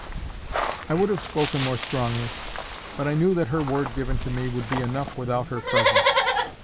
I would have spoken more strongly, but I knew that her word given to me would be enough without her presence.